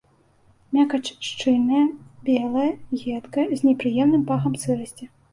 Мякаць шчыльная, белая, едкая, з непрыемным пахам сырасці.